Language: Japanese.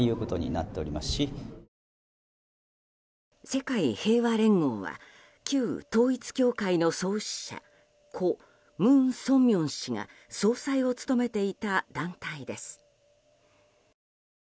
世界平和連合は旧統一教会の創始者故・文鮮明氏が総裁を務めていた団体です。